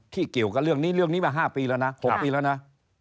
เกี่ยวกับเรื่องนี้เรื่องนี้มา๕ปีแล้วนะ๖ปีแล้วนะ